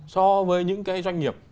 so với những cái doanh nghiệp